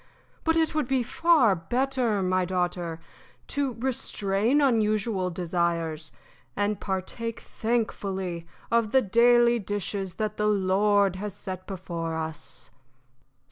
But it would be far better, my daughter, to restrain unusual desires, and partake thankfully of the daily dishes that the Lord has set before us."